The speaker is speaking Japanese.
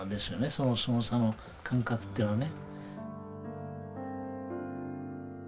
そのすごさの感覚というのはね。